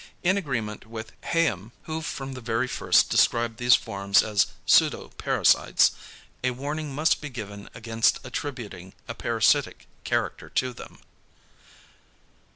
In agreement with Hayem, who from the very first described these forms as =pseudo parasites=, a warning must be given against attributing a parasitic character to them.